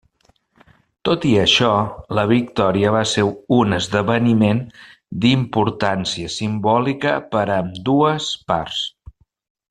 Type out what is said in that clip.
Tot i això, la victòria va ser un esdeveniment d'importància simbòlica per a ambdues parts.